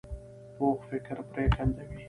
پوخ فکر پرېکنده وي